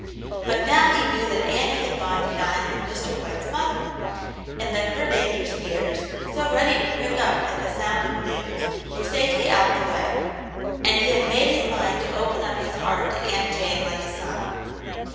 But now he knew that Annie had gone to dine with Mr. White's mother, and that her dangerous ears, so ready to prick up at the sound of news, were safely out the way. And he had made up his mind to open his heart to Aunt Jane like a son.